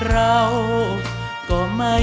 ไม่ใช้